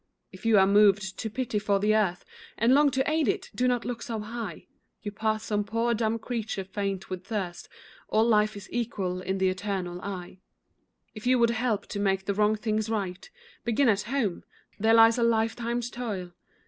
If you are moved to pity for the earth, And long to aid it, do not look so high, You pass some poor, dumb creature faint with thirst— All life is equal in the eternal eye. If you would help to make the wrong things right, Begin at home: there lies a lifetime's toil.